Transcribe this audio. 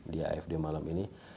di afd malam ini